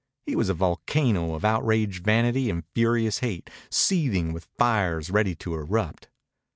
He was a volcano of outraged vanity and furious hate, seething with fires ready to erupt.